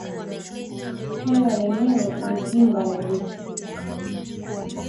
Hewa yenyewe ni gimba la gesi.